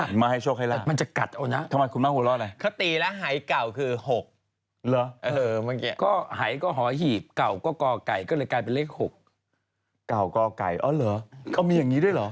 ทำไมคุณบ้านหัวเราะเลย